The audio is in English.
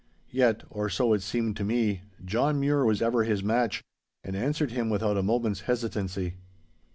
Yet, or so it seemed to me, John Mure was ever his match, and answered him without a moment's hesitancy.